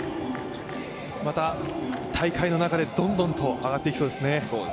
また大会の中でどんどんと上がっていきそうですね。